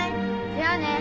じゃあね。